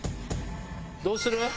どうする？